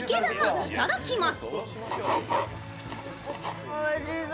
いただきます。